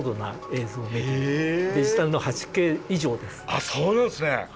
あっそうなんですね！